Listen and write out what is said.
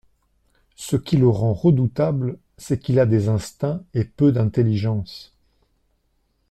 Ce qui le rend redoutable, c'est qu'il a des instincts et peu d'intelligence.